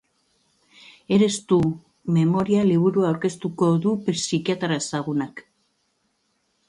Eres tu memoria liburua aurkeztuko du psikiatra ezagunak.